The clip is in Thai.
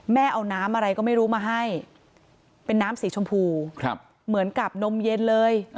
เอาน้ำอะไรก็ไม่รู้มาให้เป็นน้ำสีชมพูเหมือนกับนมเย็นเลย